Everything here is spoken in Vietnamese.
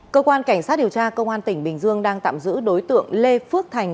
cơ quan cảnh sát điều tra công an tỉnh bình dương đang tạm giữ đối tượng lê phước thành